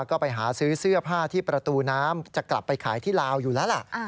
ก็ไปหาซื้อเสื้อผ้าที่ประตูน้ำจะกลับไปขายที่ลาวอยู่แล้วล่ะ